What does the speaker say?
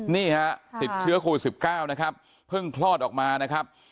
นี่ฮะติดเชื้อโควิด๑๙นะครับเพิ่งคลอดออกมานะครับ